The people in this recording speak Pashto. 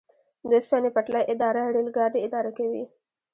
د اوسپنې پټلۍ اداره ریل ګاډي اداره کوي